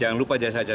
jangan lupa jas aja